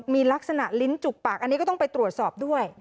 มีลักษณะลิ้นจุกปากอันนี้ก็ต้องไปตรวจสอบด้วย